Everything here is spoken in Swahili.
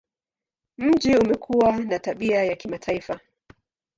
Mji umekuwa na tabia ya kimataifa.